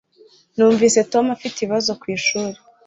Numvise Tom afite ibibazo kwishuri